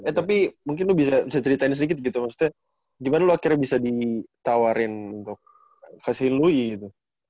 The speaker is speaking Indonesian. eh tapi mungkin lu bisa ceritain sedikit gitu maksudnya gimana lu akhirnya bisa ditawarin ke sinlui gitu